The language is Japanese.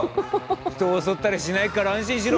人を襲ったりしないから安心しろ。